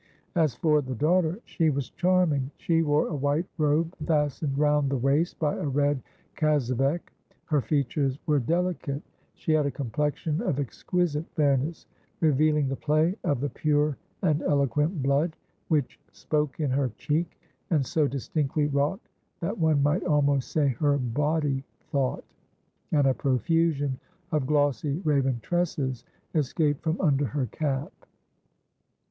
_ As for the daughter, she was charming. She wore a white robe fastened round the waist by a red kazavek. Her features were delicate; she had a complexion of exquisite fairness, revealing the play of "the pure and eloquent blood" which "spoke in her cheek, and so distinctly wrought that one might almost say her body thought;" and a profusion of glossy raven tresses escaped from under her cap.